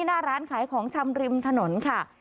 หน้าร้านขายของชำริมถนนค่ะ